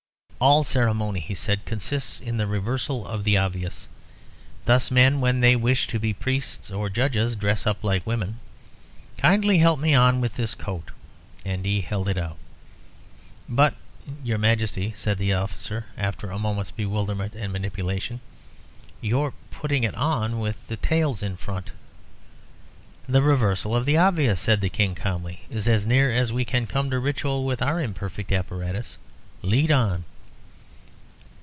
"All ceremony," he said, "consists in the reversal of the obvious. Thus men, when they wish to be priests or judges, dress up like women. Kindly help me on with this coat." And he held it out. "But, your Majesty," said the officer, after a moment's bewilderment and manipulation, "you're putting it on with the tails in front." "The reversal of the obvious," said the King, calmly, "is as near as we can come to ritual with our imperfect apparatus. Lead on."